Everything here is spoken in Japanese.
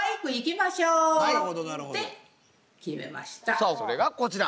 さあそれがこちら。